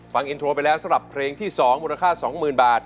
ฟังอินโทรไปแล้วสำหรับเพลงที่สองมูลค่าสองหมื่นบาท